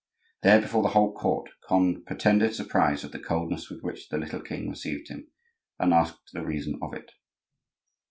There, before the whole court, Conde pretended surprise at the coldness with which the little king received him, and asked the reason of it.